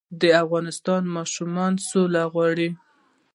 د افغانستان ماشومان سوله غواړي